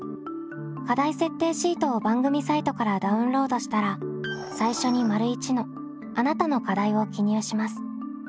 課題設定シートを番組サイトからダウンロードしたら最初に①の「あなたの課題」を記入します。